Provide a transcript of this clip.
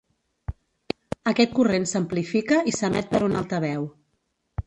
Aquest corrent s'amplifica i s'emet per un altaveu.